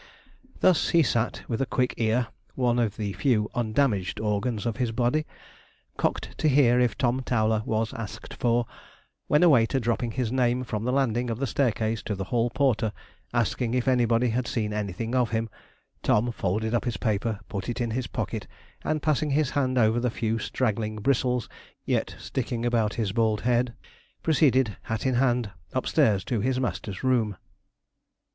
Thus he sat with a quick ear, one of the few undamaged organs of his body, cocked to hear if Tom Towler was asked for; when a waiter dropping his name from the landing of the staircase to the hall porter, asking if anybody had seen anything of him, Tom folded up his paper, put it in his pocket, and passing his hand over the few straggling bristles yet sticking about his bald head, proceeded, hat in hand, upstairs to his master's room.